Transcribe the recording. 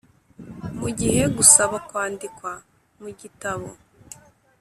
Mu gihe gusaba kwandikwa mu gitabo